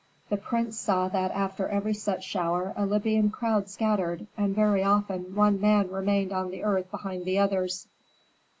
The prince saw that after every such shower a Libyan crowd scattered and very often one man remained on the earth behind the others.